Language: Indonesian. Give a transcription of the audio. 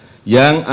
bangsa yang terkenal